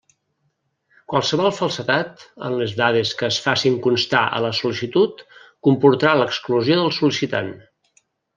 Qualsevol falsedat en les dades que es facin constar a la sol·licitud comportarà l'exclusió del sol·licitant.